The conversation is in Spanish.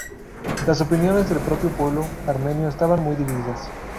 Las opiniones del propio pueblo armenio estaban muy divididas.